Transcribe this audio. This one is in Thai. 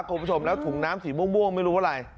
คุณผู้ชมแล้วถุงน้ำสีม่วงไม่รู้อะไร